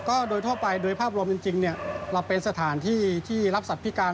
ก็โดยทั่วไปโดยภาพรวมจริงเราเป็นสถานที่ที่รับสัตว์พิการ